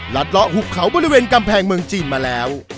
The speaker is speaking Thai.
เลาะหุบเขาบริเวณกำแพงเมืองจีนมาแล้ว